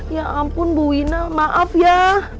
ya ampun bu wina maaf ya